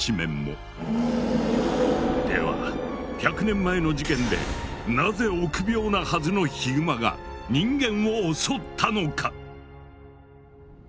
１００年前の事件でなぜ臆病なはずのヒグマが人間を襲ったのか？